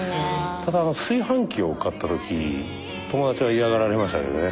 ただ炊飯器を買ったとき友達は嫌がられましたけどね。